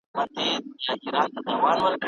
د کونډو او بېوزلو مرسته بايد وسي.